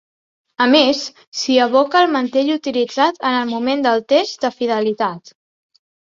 A més, s'hi evoca el mantell utilitzat en el moment del test de fidelitat.